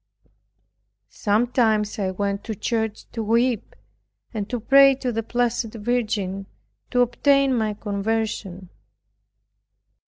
Sometimes I went to church to weep, and to pray to the Blessed Virgin to obtain my conversion.